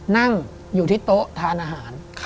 นั่งอยู่ที่โต๊ะทานอาหาร